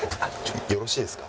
よろしいですか？